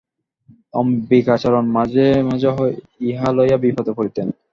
অম্বিকাচরণ মাঝে মাঝে ইহা লইয়া বিপদে পড়িতেন।